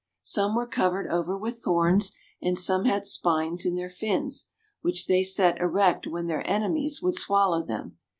Some were covered over with thorns, and some had spines in their fins, which they set erect when their enemies would swallow them.